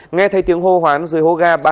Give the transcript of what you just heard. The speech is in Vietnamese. nghe thấy tiếng hô hoán dưới hố ga